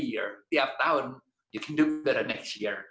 setiap tahun kamu bisa menjadi lebih baik tahun depan